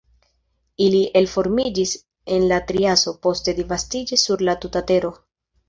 Ili elformiĝis en la triaso, poste disvastiĝis sur la tuta Tero.